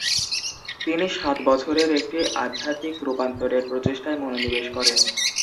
তিনি সাত বছরের একটি আধ্যাত্বিক রূপান্তরের প্রচেষ্টায় মনোনিবেশ করেন।